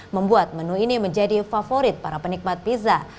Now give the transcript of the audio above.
membuat menu ini menjadi favorit para penikmat pizza